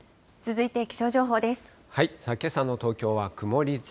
けさの東京は曇り空。